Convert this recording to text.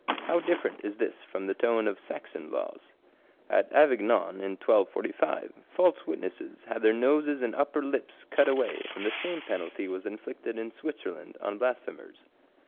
How different this from the tone of Saxon laws. At Avignon, in 1245, false witnesses had their noses and upper lips cut away, and the same penalty was inflicted in Switzerland on blasphemers.